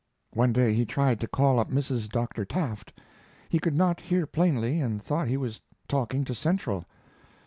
One day he tried to call up Mrs. Dr. Tafft. He could not hear plainly and thought he was talking to central.